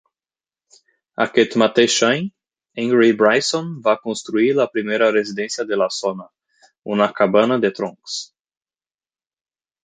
Aquest mateix any, Henry Bryson va construir la primera residència de la zona, una cabana de troncs.